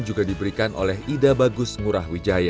juga diberikan oleh ida bagus ngurahwijaya